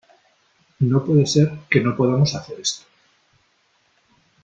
no puede ser que no podamos hacer esto .